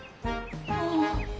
ああ。